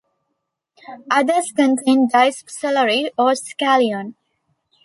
Others contain diced celery or scallion.